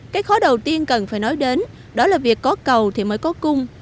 cái khó đầu tiên cần phải nói đến đó là việc có cầu thì mới có cung